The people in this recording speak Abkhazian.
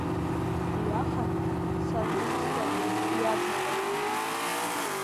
Иҩахан, саргәҵысҭа иҩаднакылт.